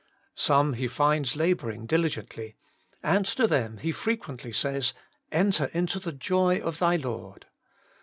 Some He finds labouring diligently, and to them He frequently says :' Enter into the joy of thy Lord.'